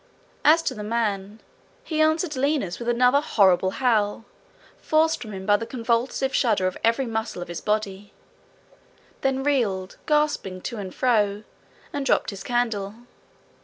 As to the man, he answered Lina's with another horrible howl, forced from him by the convulsive shudder of every muscle of his body, then reeled gasping to and fro, and dropped his candle.